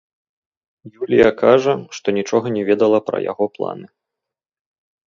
Юлія кажа, што нічога не ведала пра яго планы.